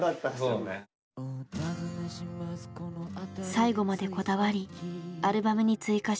最後までこだわりアルバムに追加した曲。